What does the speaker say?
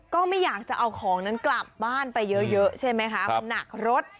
ก็ไม่อยากจะเอาของนั้นกลับบ้านไปเยอะใช่ไหมคะมันหนักรถ